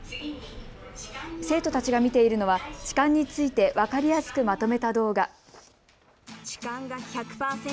生徒たちが見ているのは痴漢について分かりやすくまとめた動画。